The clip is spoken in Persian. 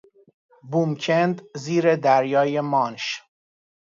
بومکند زیر دریای مانش